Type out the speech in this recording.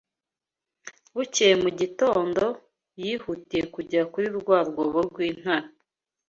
Bukeye mu gitondo, yihutiye kujya kuri rwa rwobo rw’intare